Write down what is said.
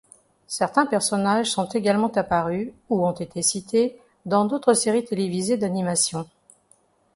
Certains personnages sont également apparu, ou ont été cités, dans d'autres séries télévisées d'animation.